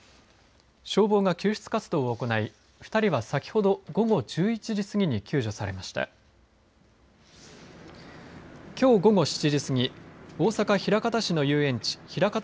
消防が救出活動を行い２人は先ほど午後１１時過ぎに救助されました。